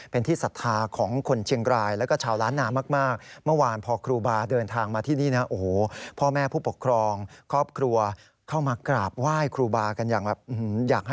เป็นที่สัตธาของคนเชียงกรายและก็ชาวร้านหนามาก